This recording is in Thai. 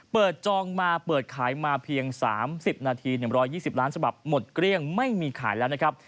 จองมาเปิดขายมาเพียง๓๐นาที๑๒๐ล้านฉบับหมดเกลี้ยงไม่มีขายแล้วนะครับ